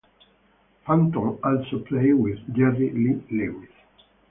Phantom also played with Jerry Lee Lewis.